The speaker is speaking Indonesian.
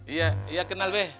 iya iya kenal be